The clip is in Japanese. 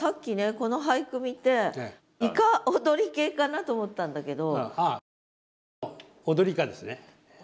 この俳句見ていか踊り系かなと思ったんだけど。